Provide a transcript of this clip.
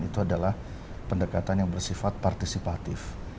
itu adalah pendekatan yang bersifat partisipatif